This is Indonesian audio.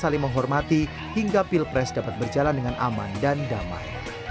saling menghormati hingga pilpres dapat berjalan dengan aman dan damai